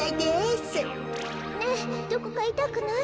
ねえどこかいたくない？